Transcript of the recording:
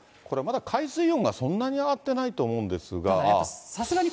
これまで海水温がそんなに上がってないと思うんですが。